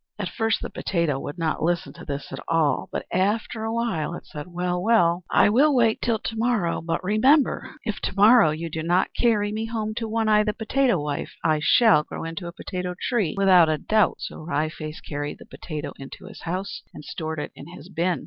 At first the potato would not listen to this at all; but after a while it said, "Well, well, I will wait till to morrow. But remember, if to morrow you do not carry me home to One Eye, the potato wife, I shall grow into a potato tree, without a doubt!" So Wry Face carried the potato into his house, and stored it in his bin.